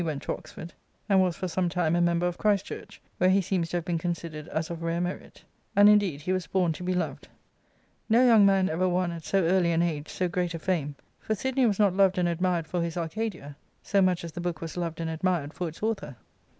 Sidney, 1652. Introductory and Biographical Essay, xi time a member of Christchurch, where he seems to have been considered as of rare merit. And, indeed, he was bom to be loved. No young man ever won at so early an age so great a fame ; for Sidney was not loved and admired for his "Arcadia" so much as the book w^s loved_apd a(jmired for its author.